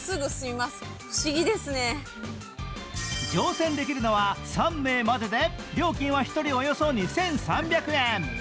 乗船できるのは３名までで料金は１人およそ２３００円。